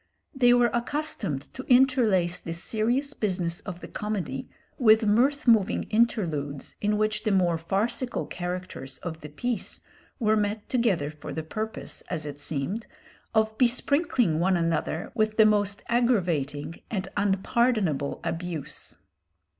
They were accustomed to interlace the serious business of the comedy with mirth moving interludes in which the more farcical characters of the piece were met together for the purpose, as it seemed, of besprinkling one another with the most aggravating and unpardonable abuse.